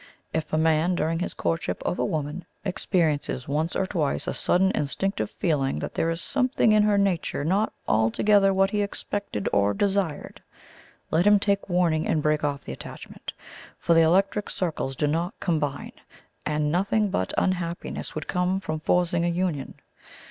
If a man, during his courtship of a woman, experiences once or twice a sudden instinctive feeling that there is something in her nature not altogether what he expected or desired, let him take warning and break off the attachment; for the electric circles do not combine, and nothing but unhappiness would come from forcing a union.